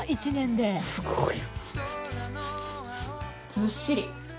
ずっしり。